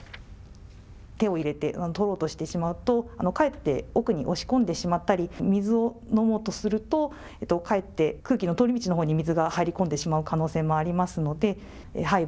手を入れて取ろうとするとかえって奥に押し込んでしまったり水を飲もうとするとかえって空気の通り道のほうに水が入り込んでしまう可能性があるので背部